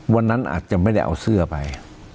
วันนั้นอาจจะไม่ได้เอาเสื้อไป